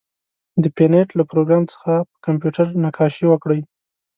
د پېنټ له پروګرام څخه په کمپیوټر نقاشي وکړئ.